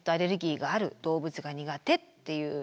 「動物が苦手」っていう。